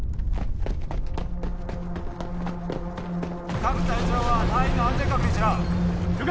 各隊長は隊員の安全確認しろ・了解！